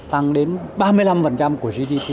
tăng đến ba mươi năm của gdp